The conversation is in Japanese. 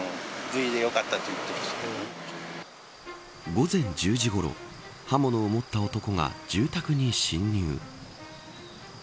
午前１０時ごろ刃物を持った男が住宅に侵入。